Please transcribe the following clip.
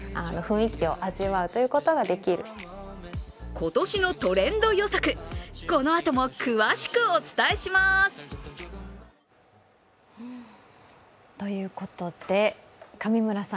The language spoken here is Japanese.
今年のトレンド予測、このあとも詳しくお伝えします。ということで、上村さん